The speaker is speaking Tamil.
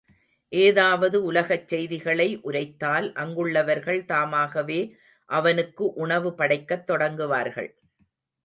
ஏதாவது உலகச் செய்திகளை உரைத்தால் அங்குள்ளவர்கள் தாமாகவே அவனுக்கு உணவு படைக்கத் தொடங்குவார்கள்.